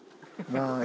まあ。